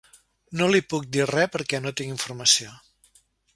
No li puc dir res perquè no tinc informació.